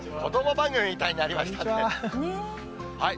番組みたいになりましたね。